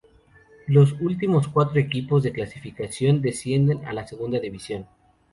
Los últimos cuatro equipos de la clasificación descienden a la Segunda División.